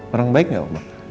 orang baik gak oma